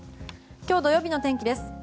今日土曜日の天気です。